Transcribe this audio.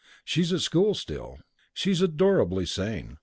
She's at school still. She's adorably sane.